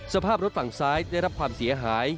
สภาพรถฝั่งซ้ายได้รับความเสียหาย